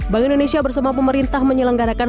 bank indonesia bersama pemerintah menyelenggarakan